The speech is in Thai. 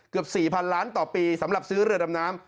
๔๐๐๐ล้านต่อปีสำหรับซื้อเรือดำน้ำ